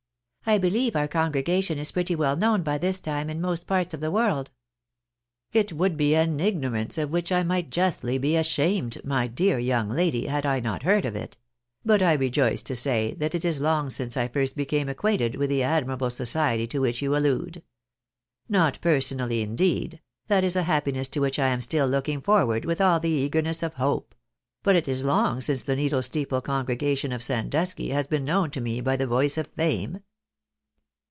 I beUeve our congregation is pretty well known by this time in most parts of the world." " It would be an ignorance of which I might justly be ashamed, my dear young lady, had I not heard of it ; but I rejoice to say that it is long since I first became acquainted with the admirable society 320 THE BAENABYS IN AMERICA. to which you allude. Not personally, indeed, that is a happiness to which I am still looking forward with all the eagerness of hope ; but it is long since the Needle Steeple congregation of Sandusky has been known to me by the voice of fame."